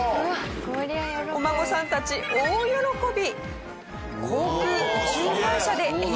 おお！お孫さんたち大喜び！